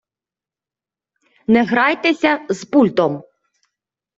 не грайтеся з пультом!